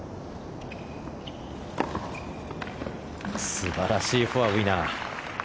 素晴らしいフォア、ウィナー。